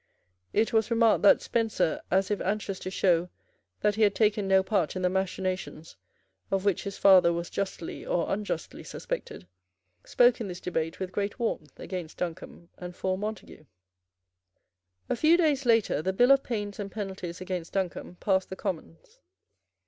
It was remarked that Spencer, as if anxious to show that he had taken no part in the machinations of which his father was justly or unjustly suspected, spoke in this debate with great warmth against Duncombe and for Montague. A few days later, the bill of pains and penalties against Duncombe passed the Commons.